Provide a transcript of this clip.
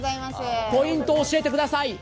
ポイントを教えてください。